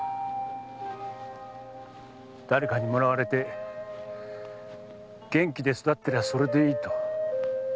誰かにもらわれて元気で育ってりゃそれでいいと。